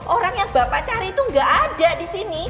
orang yang bapak cari itu gak ada disini